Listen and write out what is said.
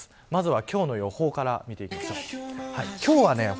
まずは今日の予報から見ていきます。